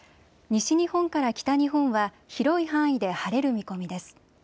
西日本から北日本は広い範囲で晴れる見込みです。